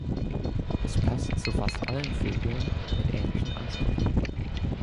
Es passt zu fast allen Vögeln mit ähnlichen Ansprüchen.